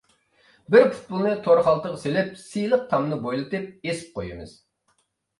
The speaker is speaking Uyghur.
بىر پۇتبولنى تور خالتىغا سېلىپ سىلىق تامنى بويلىتىپ ئېسىپ قويىمىز.